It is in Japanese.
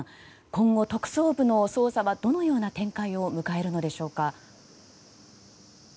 今後、特捜部の捜査はどのような展開を迎えるのでしょうか。